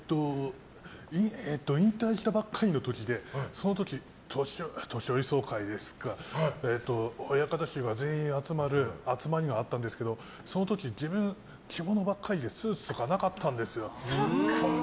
引退したばっかりの時でその時、年寄総会ですから親方衆が全員集まる集まりがあったんですけどその時、自分、着物ばっかりでスーツとかなかったんですよ。